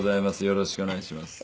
よろしくお願いします。